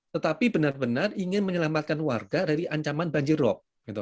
tetapi benar benar ingin menyelamatkan warga dari ancaman banjir rob